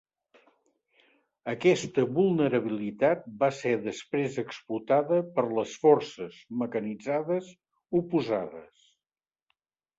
Aquesta vulnerabilitat va ser després explotada per les forces mecanitzades oposades.